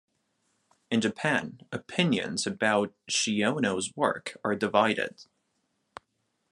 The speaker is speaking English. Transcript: In Japan, opinions about Shiono's work are divided.